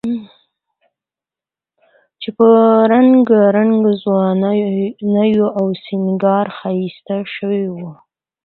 چې په رنګارنګ ځونډیو او سینګار ښایسته شوی و،